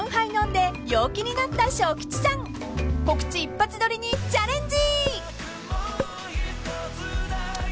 ［告知一発撮りにチャレンジ］